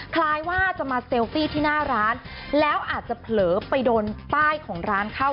คล้ายว่าจะมาเซลฟี่ที่หน้าร้านแล้วอาจจะเผลอไปโดนป้ายของร้านเข้า